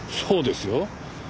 そうですよ。